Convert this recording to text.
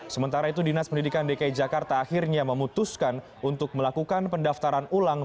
sementara itu dinas pendidikan dki jakarta akhirnya memutuskan untuk melakukan pendaftaran ulang